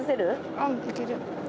うんいける。